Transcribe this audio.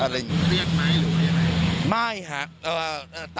คุณคุณเรียกไหมหรือเรียกอะไร